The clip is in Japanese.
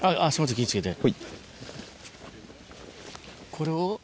これを？